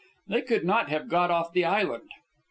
They could not have got off the island.